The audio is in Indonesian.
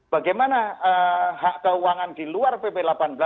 bagaimana hak keuangan di luar pp delapan belas